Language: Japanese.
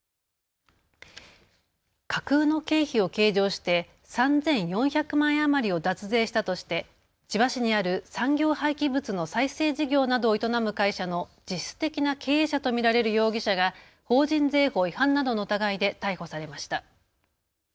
架空の経費を計上して３４００万円余りを脱税したとして千葉市にある産業廃棄物の再生事業などを営む会社の実質的な経営者と見られる容疑者が法人税法違反などの疑いで逮捕されました。